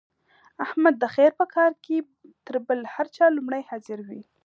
احمد د خیر په کار کې تر بل هر چا لومړی حاضر وي.